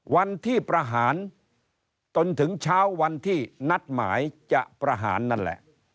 วันที่ประหารจนถึงเช้าวันที่นัดหมายจะประหารนั่นแหละ